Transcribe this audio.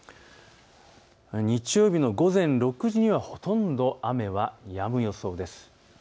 日曜日の午前６時にはほとんど雨はやむ予想です。